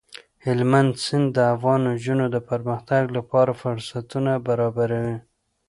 هلمند سیند د افغان نجونو د پرمختګ لپاره فرصتونه برابروي.